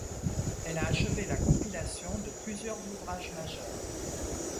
Elle a achevé la compilation de plusieurs ouvrages majeurs.